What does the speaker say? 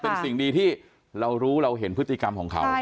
เป็นสิ่งดีที่เรารู้เราเห็นพฤติกรรมของเขา